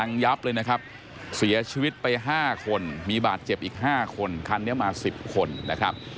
ยับเลยนะครับเสียชีวิตไป๕คนมีบาดเจ็บอีก๕คนคันนี้มา๑๐คนนะครับ